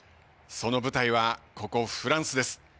その舞台は、ここフランスです。